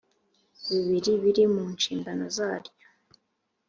bibiri biri mu nshingano zaryo